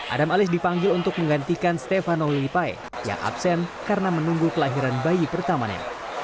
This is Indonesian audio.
adam alis dipanggil untuk menggantikan stefano lilipai yang absen karena menunggu kelahiran bayi pertamanya